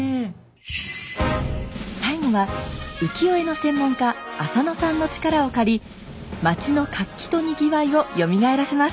最後は浮世絵の専門家浅野さんの力を借り町の活気とにぎわいをよみがえらせます。